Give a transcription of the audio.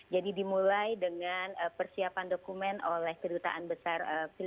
jadi dimulai dengan persiapan dokumen oleh kedutaan besar